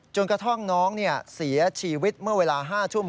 จนกระทั่งน้องเสียชีวิตเมื่อเวลา๕ทุ่ม